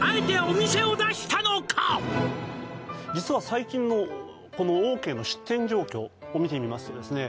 実は最近のオーケーの出店状況を見てみますとですね